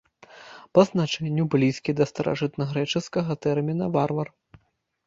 Па значэнню блізкі да старажытнагрэчаскага тэрміна варвар.